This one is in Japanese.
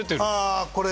あこれ。